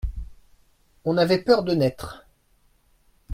On avait peur de naître.